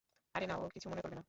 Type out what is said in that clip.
আরে না, ও কিছু মনে করবে না।